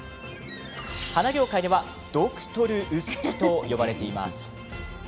花業界ではドクトル薄木と呼ばれています。